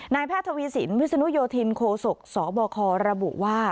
แพทย์ทวีสินวิศนุโยธินโคศกสบคระบุว่า